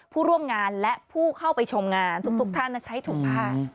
ผู้ร่วมงานและผู้เข้าไปชมงานทุกท่านใช้ถุงผ้า